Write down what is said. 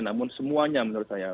namun semuanya menurut saya